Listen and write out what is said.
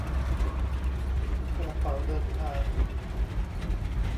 กระเป๋าเดินทาง